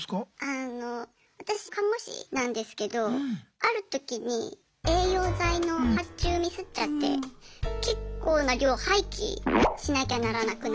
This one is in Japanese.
あの私看護師なんですけどある時に栄養剤の発注ミスっちゃって結構な量廃棄しなきゃならなくなって。